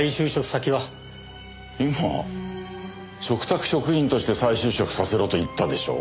今嘱託職員として再就職させろと言ったでしょう？